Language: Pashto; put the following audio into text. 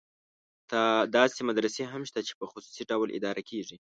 داسې مدرسې هم شته چې په خصوصي ډول اداره کېږي.